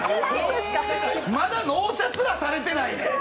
まだ納車すらされてないねん！